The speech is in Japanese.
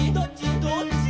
「どっち」